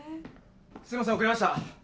すいません遅れました。